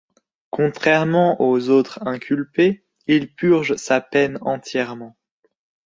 Contrairement aux autres inculpés, il purge sa peine entièrement.